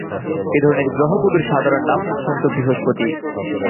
এ ধরনের গ্রহগুলোর সাধারণ নাম উত্তপ্ত বৃহস্পতি।